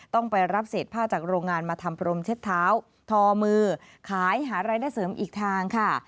ต้องไปรับเศษผ้าจากโรงงานมาทำพรมเช็ดเท้าทอมือขายหารายได้เสริมอีกทางค่ะ